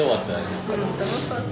楽しかった。